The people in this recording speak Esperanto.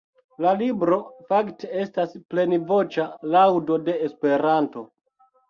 La libro fakte estas plenvoĉa laŭdo de Esperanto.